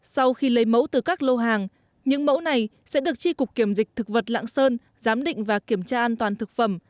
sau khi lấy mẫu từ các lô hàng những mẫu này sẽ được tri cục kiểm dịch thực vật lạng sơn giám định và kiểm tra an toàn thực phẩm